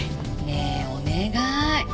ねえお願い。